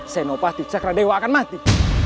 senopati cakradewa akan mati